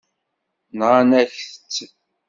Nɣan-ak-tt.